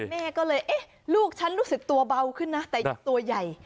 แม่ก็เลยเอ๊ะลูกฉันรู้สึกตัวเบาขึ้นนะแต่ตัวใหญ่